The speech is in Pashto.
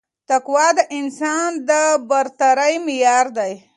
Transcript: تقوا د انسان د برترۍ معیار دی